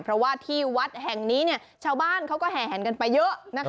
เพราะว่าที่วัดแห่งนี้ชาวบ้านเขาก็แห่แหนกันไปเยอะ